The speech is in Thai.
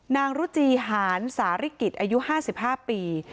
นางรุจีหานสาฬิกิตรอายุห้าสิบห้าปี